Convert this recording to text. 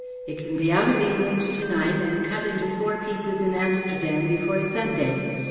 It can be out of England to night and cut into four pieces in Amsterdam before Sunday.